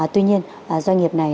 tuy nhiên doanh nghiệp này